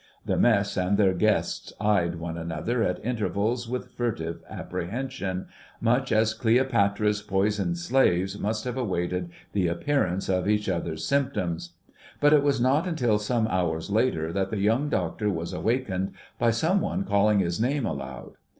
The Mess and their guests eyed one another at intervals with furtive apprehension, much as Cleopatra's poisoned slaves must have awaited the appearance of each other's symptoms. But it was not until some hours later that the Young Doctor was awakened by some one calling his name aloud.